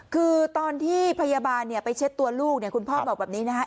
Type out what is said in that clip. คือตอนที่พยาบาลไปเช็ดตัวลูกเนี่ยคุณพ่อบอกแบบนี้นะฮะ